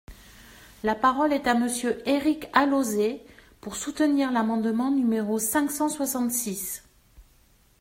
La parole est à Monsieur Éric Alauzet, pour soutenir l’amendement numéro cinq cent soixante-six.